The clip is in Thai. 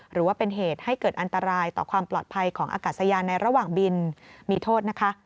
หรือว่าเป็นเหตุให้เกิดอันตรายต่อความปลอดภัยของอากาศยานในระหว่างบินมีโทษนะคะ